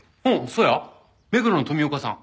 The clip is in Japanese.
そや目黒の富岡さん。